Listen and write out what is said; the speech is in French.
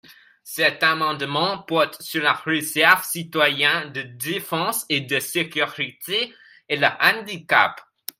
Cet amendement porte sur la réserve citoyenne de défense et de sécurité, et le handicap.